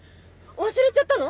忘れちゃったの？